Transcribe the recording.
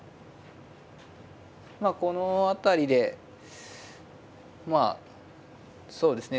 この辺りでまあそうですね